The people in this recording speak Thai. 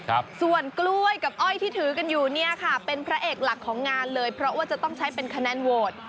ครับส่วนกล้วยกับอ้อยที่ถือกันอยู่เนี่ยค่ะเป็นพระเอกหลักของงานเลยเพราะว่าจะต้องใช้เป็นคะแนนโหวต